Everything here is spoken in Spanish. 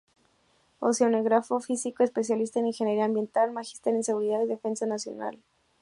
Oceanógrafo Físico, Especialista en Ingeniería Ambiental, Magíster en Seguridad y Defensa Nacional.